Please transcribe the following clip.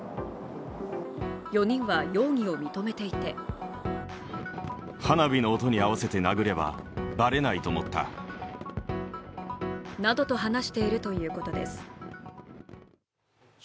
４人は容疑を認めていてなどと話しているということです。